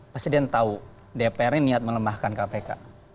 presiden tahu dpr ini niat melemahkan kpk